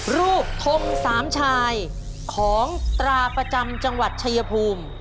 ทงสามชายของตราประจำจังหวัดชายภูมิ